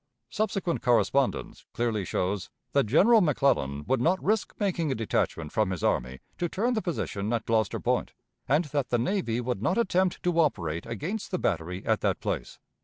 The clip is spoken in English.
Subsequent correspondence clearly shows that General McClellan would not risk making a detachment from his army to turn the position at Gloucester Point, and that the navy would not attempt to operate against the battery at that place.